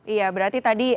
iya berarti tadi